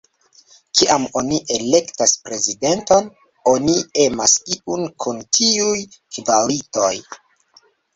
Kiam oni elektas prezidenton, oni emas iun kun tiuj kvalitoj.